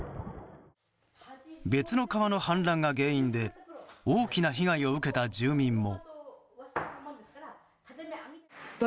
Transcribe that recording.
別の川の氾濫が原因で大きな被害を受けた住民も。